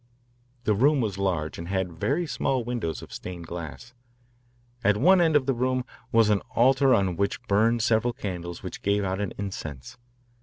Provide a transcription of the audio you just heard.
The room was large and had very small windows of stained glass. At one end of the room was an altar on which burned several candles which gave out an incense.